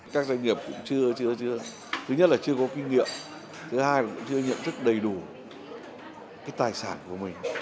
các doanh nghiệp cũng chưa chưa chưa thứ nhất là chưa có kinh nghiệm thứ hai là cũng chưa nhận thức đầy đủ cái tài sản của mình